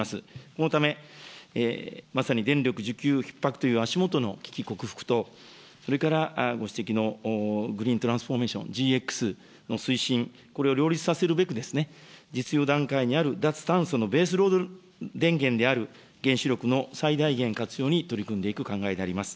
このため、まさに電力需給ひっ迫という足元の危機克服と、それからご指摘のグリーントランスフォーメーション・ＧＸの推進、これを両立させるべく、実用段階にある脱炭素のベースロード電源である原子力の最大限活用に取り組んでいく考えであります。